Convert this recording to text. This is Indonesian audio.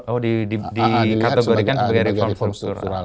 oh di kategorikan sebagai reform struktural